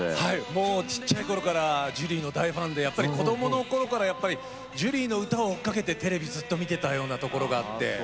もうちっちゃい頃からジュリーの大ファンでやっぱり子供の頃からジュリーの歌を追っかけてテレビずっと見てたようなところがあって。